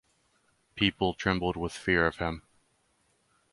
People trembled with fear of him.